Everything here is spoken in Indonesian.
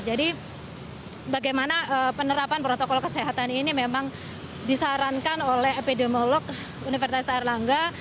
jadi bagaimana penerapan protokol kesehatan ini memang disarankan oleh epidemiolog universitas air langga